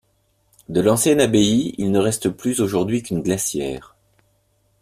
De l'ancienne abbaye il ne reste plus aujourd'hui qu'une glacière.